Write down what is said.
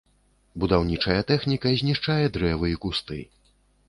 Будаўнічая тэхніка знішчае дрэвы і кусты.